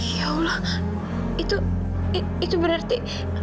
ya allah itu berarti